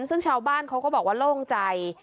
ซึ่งชาวบ้านเขาก็บอกว่าโล่งใจ